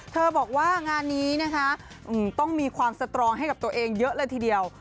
บอกว่างานนี้นะคะต้องมีความสตรองให้กับตัวเองเยอะเลยทีเดียว